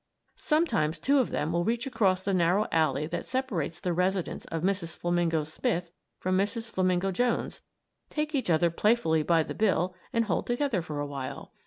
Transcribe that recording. Sometimes two of them will reach across the narrow alley that separates the residence of Mrs. Flamingo Smith from Mrs. Flamingo Jones, take each other playfully by the bill and hold together for a while.